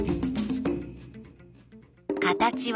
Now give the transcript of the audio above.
形は？